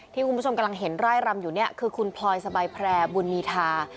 ที่คุณผู้ชมกำลังเห็นไร่รำอยู่เนี่ยคือคุณพลอยสบายแพร่บุญมีทา